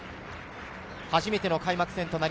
初めての開幕戦。